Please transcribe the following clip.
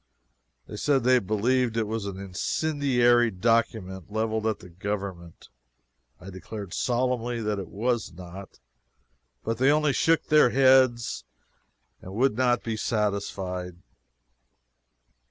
They said they believed it was an incendiary document, leveled at the government. I declared solemnly that it was not, but they only shook their heads and would not be satisfied.